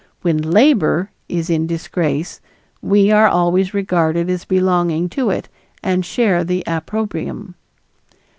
When "Labor" is in disgrace we are always regarded as belonging to it and share the opprobrium.